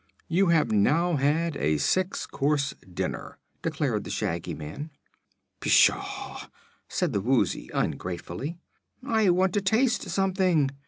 "You have now had a six course dinner," declared the Shaggy Man. "Pshaw!" said the Woozy, ungratefully, "I want to taste something.